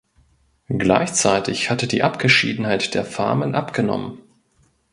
Gleichzeitig hatte die Abgeschiedenheit der Farmen abgenommen.